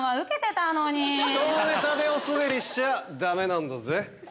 人のネタでおすべりしちゃダメなんだぜ。